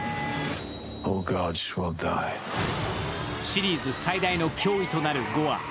シリーズ最大の脅威となるゴア。